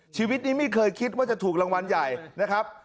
ชีวิตนี้ไม่เคยคิดว่าจะถูกรางวัลใหญ่นะครับ